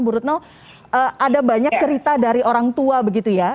bu retno ada banyak cerita dari orang tua begitu ya